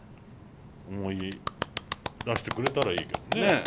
思い出してくれたらいいけどね。